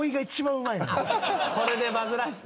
これでバズらせて。